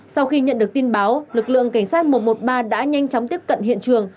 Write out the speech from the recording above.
sau khi nhận được tin báo lực lượng cảnh sát một trăm một mươi ba đã nhanh chóng tiếp cận hiện trường